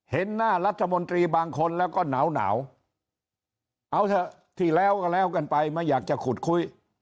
เห็นหน้ารัฐมนตรีบางคนแล้วก็หนาวเอาเถอะที่แล้วก็แล้วกันไปไม่อยากจะขุดคุย